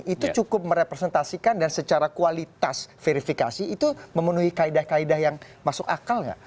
itu cukup merepresentasikan dan secara kualitas verifikasi itu memenuhi kaedah kaedah yang masuk akal nggak